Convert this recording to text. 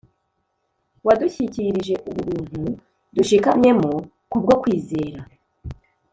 wadushyikirije ubu buntu dushikamyemo k'ubwo kwizera